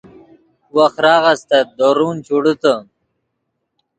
وخراغ استت دورون چوڑیتے